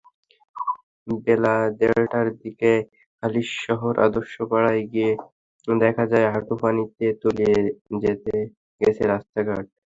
বেলা দেড়টার দিকে হালিশহর আদর্শপাড়ায় গিয়ে দেখা যায়, হাঁটুপানিতে তলিয়ে গেছে রাস্তাঘাট।